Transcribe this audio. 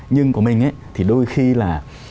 nhưng của mình thì đôi khi là